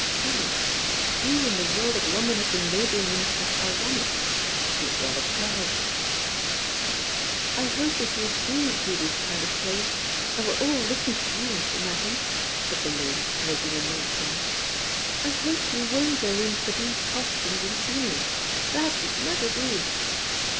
Who? Who in the world of London had been labelling him as ironic? He was rather proud. "I hope if you do do this kind of play, and we're all looking to you, Mr. Machin," said the lady making a new start, "I hope you won't go in for these costumes and scenery. That would never do!"